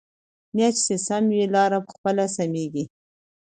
نیت چې سم وي، لاره پخپله سمېږي.